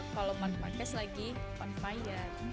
kalau mark marquez lagi fanfire